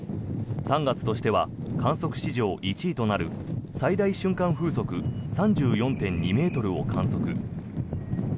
３月としては観測史上１位となる最大瞬間風速３４．２ｍを観測。